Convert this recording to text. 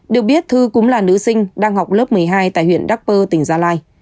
được biết thư cũng là nữ sinh đang học lớp một mươi hai tại huyện đắk bơ tỉnh gia lai